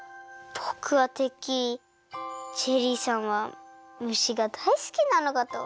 ぼくはてっきりジェリーさんはむしがだいすきなのかと。